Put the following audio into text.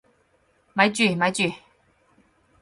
咪住咪住！